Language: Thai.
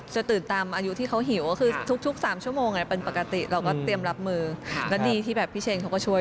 ใช่อยากเจอค่ะพี่แอ้มเรียบร้อย